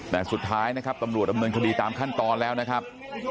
แต่สุดท้ายนะครับตำรวจดำเนินคดีตามขั้นตอนแล้วนะครับ